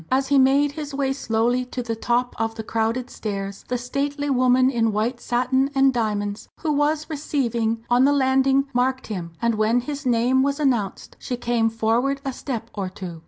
As he made his way slowly to the top of the crowded stairs, the stately woman in white satin and diamonds who was "receiving" on the landing marked him, and when his name was announced she came forward a step or two.